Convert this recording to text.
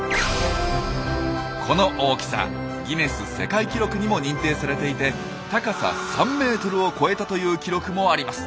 この大きさギネス世界記録にも認定されていて高さ３ｍを超えたという記録もあります。